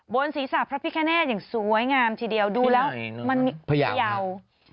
ศีรษะพระพิคเนตอย่างสวยงามทีเดียวดูแล้วมันมีพยาว